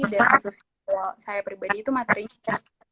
dan khususnya kalau saya pribadi itu materinya